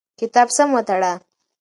کتاب سم وتړه.